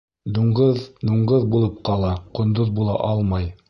Дуңғыҙ дуңғыҙ булып ҡала, ҡондоҙ була алмай.